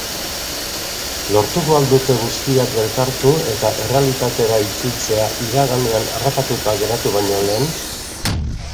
Lortuko al dute guztiak elkartu eta errealitatera itzultzea iraganean harrapatuta geratu baino lehen?